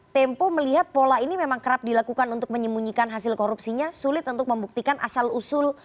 tempo melihat pola ini memang kerap dilakukan untuk menyembunyikan hasil korupsinya sulit untuk membuktikan asal usul